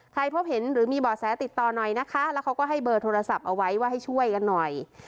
พบเห็นหรือมีบ่อแสติดต่อหน่อยนะคะแล้วเขาก็ให้เบอร์โทรศัพท์เอาไว้ว่าให้ช่วยกันหน่อย